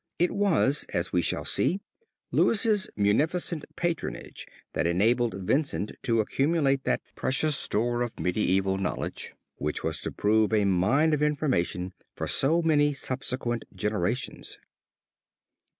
It was, as we shall see, Louis' munificent patronage that enabled Vincent to accumulate that precious store of medieval knowledge, which was to prove a mine of information for so many subsequent generations.